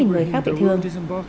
sáu người khác bị thương